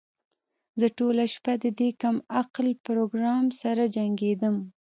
زه ټوله شپه د دې کم عقل پروګرامر سره جنګیدم